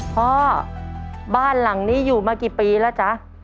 บ้านหลังนี้อยู่มากี่ปีแล้วจ๊ะ